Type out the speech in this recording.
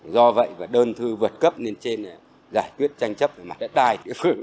do vậy và đơn thư vượt cấp lên trên giải quyết tranh chấp mặt đất đai